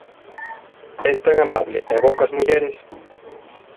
Es tan amable e bo coas mulleres!